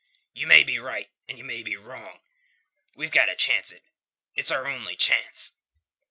"You may be right, and you may be wrong. We've got to chance it. It's our only chance...."